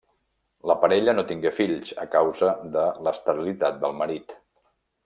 La parella no tingué fills a causa de l'esterilitat del marit.